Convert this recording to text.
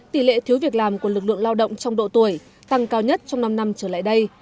tỷ lệ thiếu việc làm của lực lượng lao động trong độ tuổi tăng cao nhất trong năm năm trở lại đây